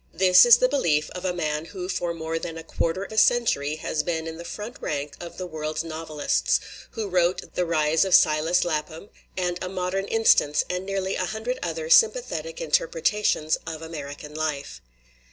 This is the belief of a man who for more than a quarter of a century has been in the front rank of the world's novelists, who wrote The Rise of Silas Lapham and A Modern Instance and nearly a hundred other sympathetic interpretations of American life.